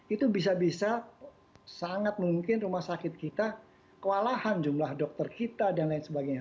itu bisa bisa sangat mungkin rumah sakit kita kewalahan jumlah dokter kita dan lain sebagainya